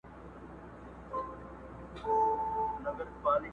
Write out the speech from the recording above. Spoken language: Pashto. یو زلمی به په ویده قام کي پیدا سي؛